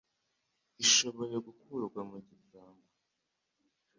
ishoboye gukurwa mu gipangu